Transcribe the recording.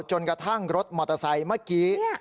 จนกระทั่งรถมอเตอร์ไซค์เมื่อกี้